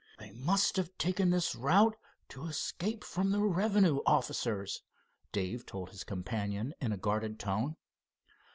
"They must have taken this route to escape from the revenue officers," Dave told his companion, in a guarded tone.